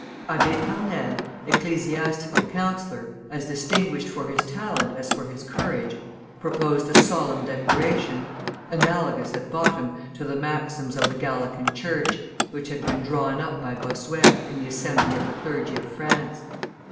Abbe Pernelle, ecclesiastical councillor, as distinguished for his talent as for his courage, proposed a solemn declaration, analogous, at bottom, to the maxims of the Gallican church, which had been drawn up by Bossuet, in the assembly of the clergy of France.